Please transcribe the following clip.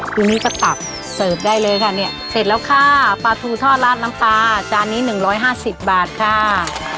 ทีนี้ก็ตักเสิร์ฟได้เลยค่ะเนี่ยเสร็จแล้วค่ะปลาทูทอดลาดน้ำปลาจานนี้๑๕๐บาทค่ะ